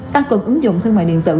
tăng cường ứng dụng thương mại điện tử